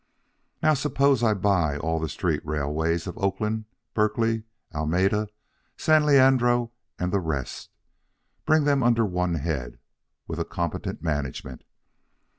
Now, suppose I buy in all the street railways of Oakland, Berkeley, Alameda, San Leandro, and the rest, bring them under one head with a competent management?